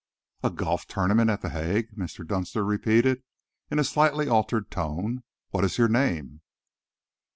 "A golf tournament at The Hague!" Mr. Dunster repeated, in a slightly altered tone. "What is your name?"